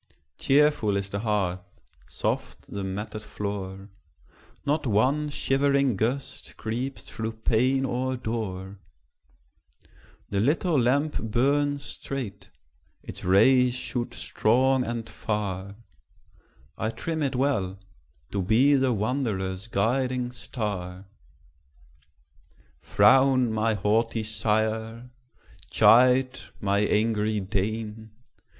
Cheerful is the hearth, soft the matted floor; Not one shivering gust creeps through pane or door; The little lamp burns straight, its rays shoot strong and far: I trim it well, to be the wanderer's guiding star. Frown, my haughty sire! chide, my angry dame!